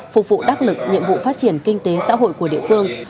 phục vụ đắc lực nhiệm vụ phát triển kinh tế xã hội của địa phương